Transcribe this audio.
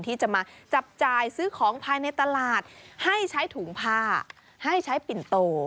ที่จะมาจับจ่ายซื้อของภายในตลาดให้ใช้ถุงผ้าให้ใช้ปิ่นโต